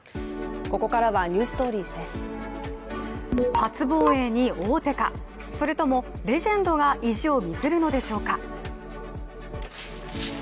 初防衛に王手か、それともレジェンドが意地を見せるのでしょうか。